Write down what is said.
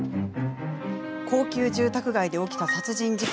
高級住宅街で起きた殺人事件。